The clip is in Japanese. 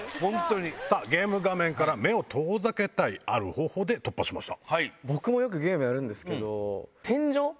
ゲーム画面から目を遠ざけたいある方法で突破しました。